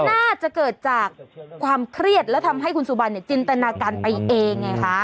น่าจะเกิดจากความเครียดแล้วทำให้คุณสุบันเนี่ยจินตนาการไปเองไงคะ